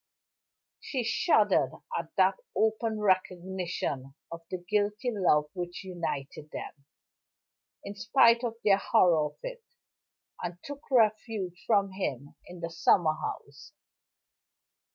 She shuddered at that open recognition of the guilty love which united them, in spite of their horror of it, and took refuge from him in the summer house.